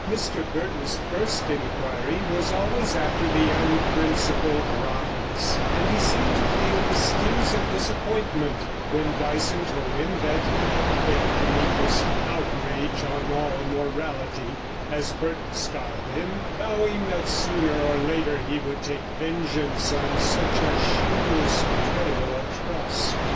Mr Burton's first inquiry was always after the unprincipled Robbins, and he seemed to feel the stings of disappointment when Dyson told him that he had failed to meet this outrage on all morality, as Burton styled him, vowing that sooner or later he would take vengeance on such a shameless betrayal of trust.